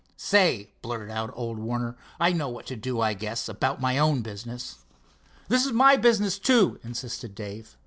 "Say," blurted out old Warner, "I know what to do, I guess, about my own business." "This is my business, too," insisted Dave.